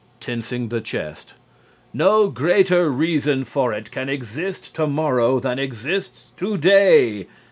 (Tensing the chest.) No greater reason for it can exist tomorrow than exists today.